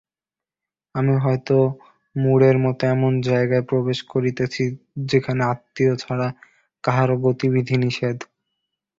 আমি হয়তো মূঢ়ের মতো এমন জায়গায় প্রবেশ করিতেছি যেখানে আত্মীয় ছাড়া কাহারো গতিবিধি নিষেধ।